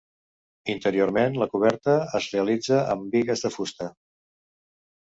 Interiorment la coberta es realitza amb bigues de fusta.